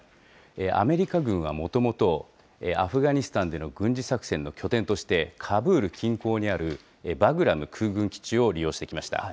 アメリカ軍はもともと、アフガニスタンでの軍事作戦の拠点として、カブール近郊にあるバグラム空軍基地を利用してきました。